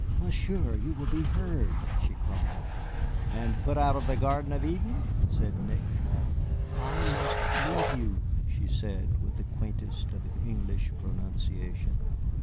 "Monsieur! you will be heard," she cried. "And put out of the Garden of Eden," said Nick. "I must leave you," she said, with the quaintest of English pronunciation.